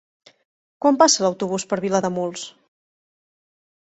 Quan passa l'autobús per Vilademuls?